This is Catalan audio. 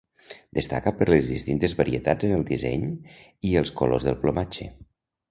Destaca per les distintes varietats en el disseny i els colors del plomatge.